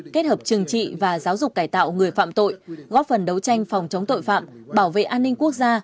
kết hợp trừng trị và giáo dục cải tạo người phạm tội góp phần đấu tranh phòng chống tội phạm bảo vệ an ninh quốc gia